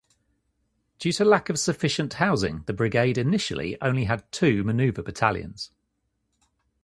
Due to lack of sufficient housing, the brigade initially only had two maneuver battalions.